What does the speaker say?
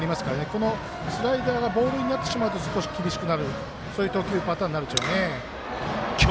このスライダーがボールになってしまうと少し厳しくなるそういう投球パターンになるでしょうね。